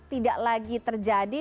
tidak lagi terjadi